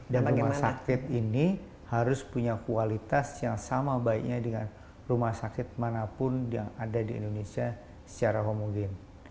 dan rumah sakit ini harus punya kualitas yang sama baiknya dengan rumah sakit manapun yang ada di indonesia secara homogen